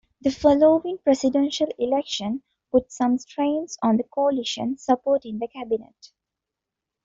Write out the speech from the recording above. The following presidential election put some strains on the coalition supporting the cabinet.